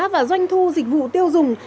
và doanh thu dịch vụ tiêu dùng